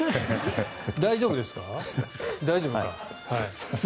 大丈夫ですか？